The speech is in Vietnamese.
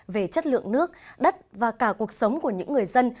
về chất lượng nước đất và cả cuộc sống của những người dân